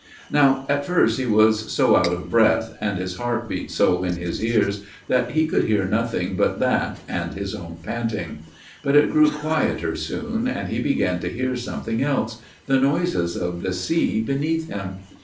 " Now at first he was so out of breath, and his heart beat so in his ears, that he could hear nothing but that and his own panting ; but it grew quieter soon, and he began to hear something else the noises of the sea beneath him.